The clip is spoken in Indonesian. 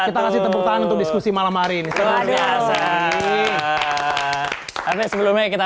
kita kasih tepuk tangan untuk diskusi malam hari ini senantiasa tapi sebelumnya kita